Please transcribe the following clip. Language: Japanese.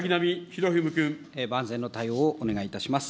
万全の対応をお願いします。